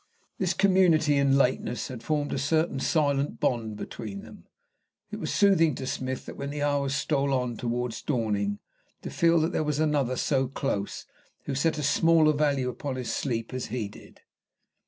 This community in lateness had formed a certain silent bond between them. It was soothing to Smith when the hours stole on towards dawning to feel that there was another so close who set as small a value upon his sleep as he did.